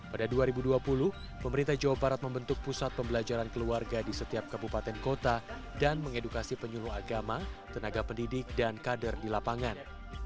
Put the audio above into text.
pada dua ribu dua puluh pemerintah jawa barat membentuk pusat pembelajaran keluarga di setiap kabupaten kota dan mengedukasi penyuluh agama tenaga pendidik dan kader di lapangan